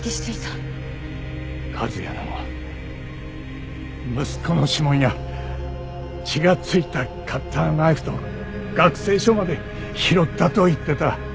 和哉の息子の指紋や血が付いたカッターナイフと学生証まで拾ったと言ってた。